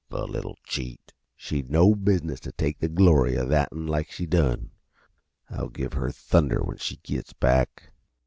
The little cheat, she'd no business t' take the glory uh that'n like she done. I'll give her thunder when she gits back."